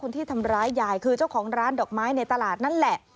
ที่ทำร้ายยายคือเจ้าของร้านดอกไม้ในตลาดนั่นแหละ